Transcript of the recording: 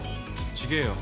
違えよ。